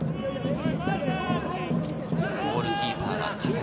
ゴールキーパーは葛西。